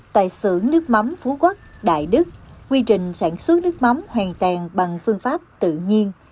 tại xưởng nước mắm phú quốc đại đức quy trình sản xuất nước mắm hoàn toàn bằng phương pháp tự nhiên